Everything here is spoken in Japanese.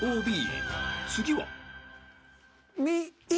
［次は］